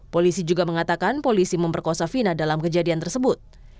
polisi juga mengatakan polisi memperkosa vina dalam kejadian tersebut